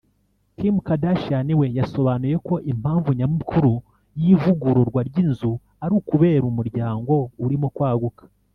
Kim Kardashian we yasobanuye ko impamvu nyamukuru y’ivugururwa ry’inzu ari ukubera umuryango urimo kwaguka